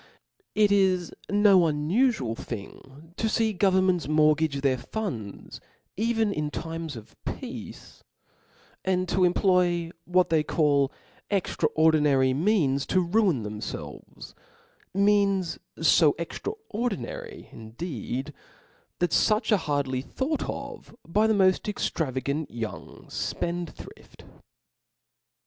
It is no unufual ' thing to fee governments rtiortgage their funds even^ in time of peace, and to employ what they caJl extraordinary means t;o ruin themfelvcs ; means fo extraordinary indeed, that fuch are hardly thought on by the moft extravagant young fpendthrifc.